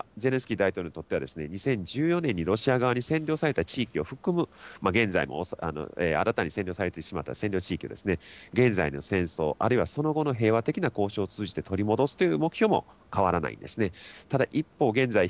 ウクライナ側、ゼレンスキー大統領にとっては、２０１４年にロシア側に占領された地域を含む、現在も新たに占領されてしまった占領地域、現在の戦争、あるいはその後の平和的な交渉を通じて取り戻すという目標も変わらないんですね。